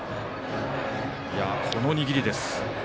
この握りです。